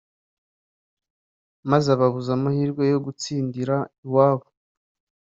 maze ababuza amahirwe yo gutsindira iwabo